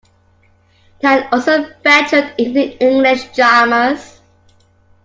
Tan also ventured into English dramas.